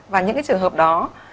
và những trường hợp đó